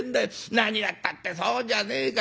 何がったってそうじゃねえか。